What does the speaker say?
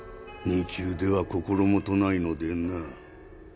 ２級では心もとないのでん？